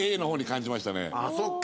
ああそっか。